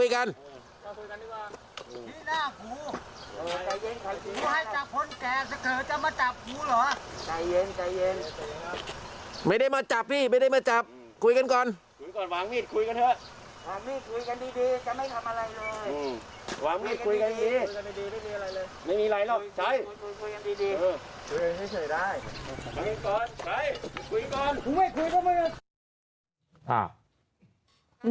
คุยก่อนคุยก่อนคุยก่อน